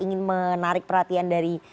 ingin menarik perhatian dari